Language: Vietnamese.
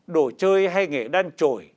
đồ chơi hay nghề đan trổi